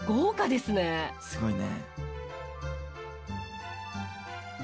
すごいね。